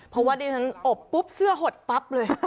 เพราะว่าดิฉันอบปุ๊บเสื้อหดปั๊บเลย